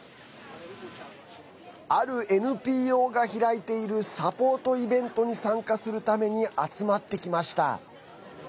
あるＮＰＯが開いているサポートイベントに参加するために集まってきました。